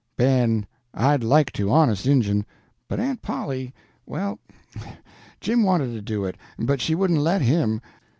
"Ben, I'd like to, honest injun; but Aunt Polly well, Jim wanted to do it, but she wouldn't let him.